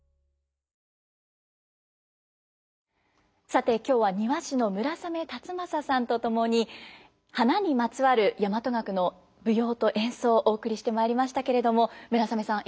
さて今日は庭師の村雨辰剛さんと共に花にまつわる大和楽の舞踊と演奏お送りしてまいりましたけれども村雨さん